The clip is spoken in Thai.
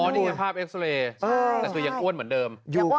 นี่ไงภาพเอ็กซาเรย์แต่คือยังอ้วนเหมือนเดิม